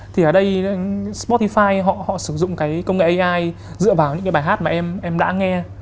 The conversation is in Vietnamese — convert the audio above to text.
thì ở đây spotify họ họ sử dụng cái công nghệ ai dựa vào những cái bài hát mà em đã nghe